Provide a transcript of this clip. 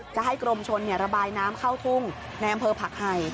จะให้กรมชนระบายน้ำเข้าทุ่งในอำเภอผักไห่